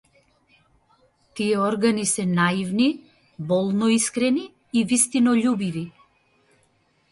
Тие органи се наивни, болно искрени и вистинољубиви.